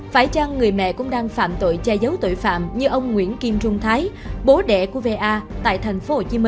phải chăng người mẹ cũng đang phạm tội che giấu tội phạm như ông nguyễn kim trung thái bố đẻ của va tại tp hcm